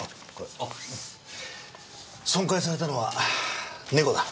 損壊されたのは猫だ。